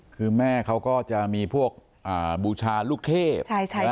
คือแม่เขาก็จะมีพวกบูชาลูกเทพ